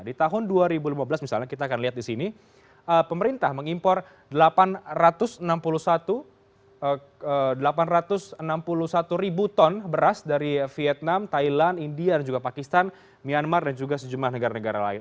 di tahun dua ribu lima belas misalnya kita akan lihat di sini pemerintah mengimpor delapan ratus enam puluh satu delapan ratus enam puluh satu ribu ton beras dari vietnam thailand india dan juga pakistan myanmar dan juga sejumlah negara negara lain